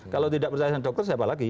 kalau tidak percaya dengan dokter siapa lagi